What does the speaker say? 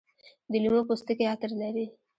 د لیمو پوستکي عطر لري.